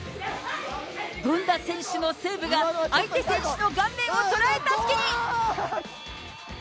ゴンダ選手のセーブが相手選手の顔面を捉えた隙に。